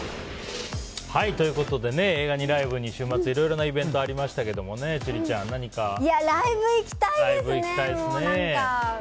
映画にライブに、週末いろいろなイベントがありましたけどもライブ行きたいですね。